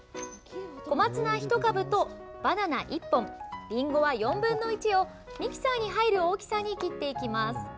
小松菜１株と、バナナ１本りんごは４分の１をミキサーに入る大きさに切っていきます。